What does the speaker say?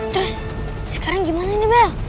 terus sekarang gimana nih bang